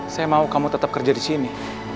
saya mau kamu tetap kerja di sini